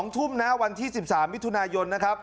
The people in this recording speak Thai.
๒ทุ่มณวันที่๑๓มิถุนายน